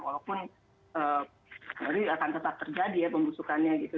walaupun berarti akan tetap terjadi ya pembusukannya gitu